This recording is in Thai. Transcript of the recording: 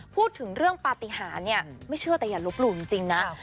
พูดถึงเรื่องปฏิหารเนี่ยไม่เชื่อแต่อย่าลบหลู่จริงนะ